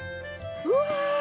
うわ！